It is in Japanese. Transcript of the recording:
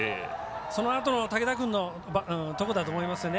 そのあとの武田君のところだと思いますよね。